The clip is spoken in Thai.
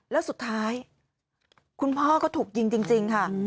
แล้วสุดท้ายคุณพ่อก็ถูกยิงจริงค่ะ